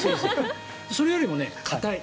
それよりも硬い。